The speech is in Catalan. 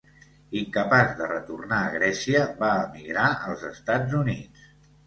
Incapaç de retornar a Grècia, va emigrar als Estats Units.